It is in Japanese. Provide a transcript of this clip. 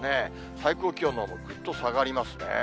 最高気温のほう、ぐっと下がりますね。